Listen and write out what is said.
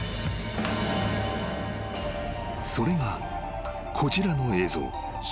［それがこちらの映像］